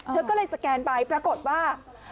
เธอก็เลยสแกนไปปรากฏว่า